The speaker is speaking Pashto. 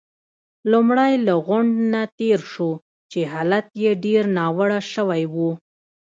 لومړی له غونډ نه تېر شوو، چې حالت يې ډېر ناوړه شوی وو.